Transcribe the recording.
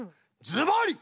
ズバリ！